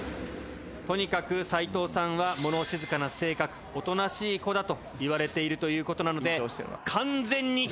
とにかく齋藤さんは物静かな性格おとなしい子だと言われているという事なので。